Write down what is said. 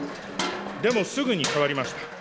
でもすぐに変わりました。